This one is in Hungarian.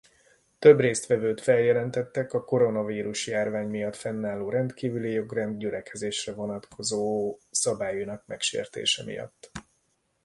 Több résztvevőt feljelentettek a koronavírus-járvány miatt fennálló rendkívüli jogrend gyülekezésre vonatkozó szabályainak megsértése miatt.